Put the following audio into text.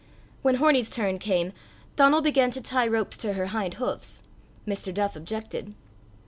When Hornie's turn came, Donal began to tie ropes to her hind hoofs. Mr. Duff objected.